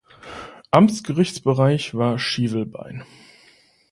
Amtsgerichtsbereich war Schivelbein.